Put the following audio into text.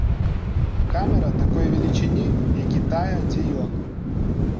Камера такой велічыні, як і тая, дзе ён.